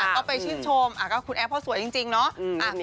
ก็ไปชื่นชมคุณแอฟเขาสวยจริงเนาะ